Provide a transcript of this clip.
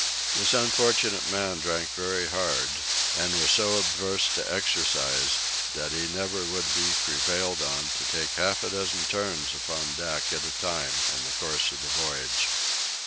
This unfortunate man drank very hard and was so averse to exercise that he never would be prevailed on to take half a dozen turns upon deck at a time in the course of the voyage.